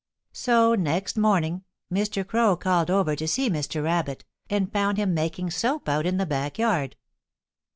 So next morning Mr. Crow called over to see Mr. Rabbit, and found him making soap out in the back yard.